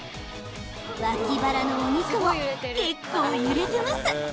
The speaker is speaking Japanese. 脇腹のお肉も結構揺れてます